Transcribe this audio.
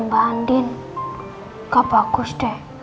mbak andin kak bagus deh